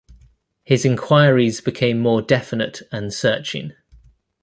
His enquiries became more definite and searching.